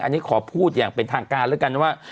อันนี้ขอพูดอย่างเป็นทางการแล้วกันนะว่า